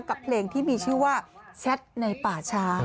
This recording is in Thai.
กับเพลงที่มีชื่อว่าแชทในป่าช้า